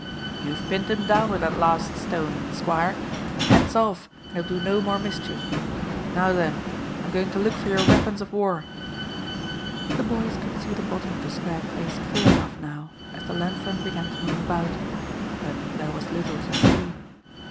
"You've pinned him down with that last stone, squire. Head's off, and he'll do no more mischief. Now then, I'm going to look for your weapons o' war." The boys could see the bottom of the square place clear enough now, as the lanthorn began to move about; but there was little to see.